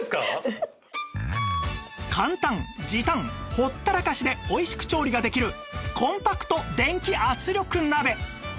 簡単時短ほったらかしでおいしく調理ができるコンパクト電気圧力鍋